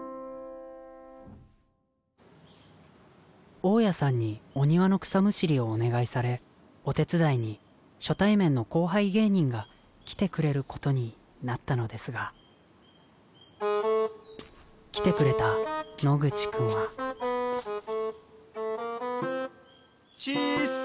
大家さんにお庭の草むしりをお願いされお手伝いに初対面の後輩芸人が来てくれることになったのですが来てくれた野口君はちーす！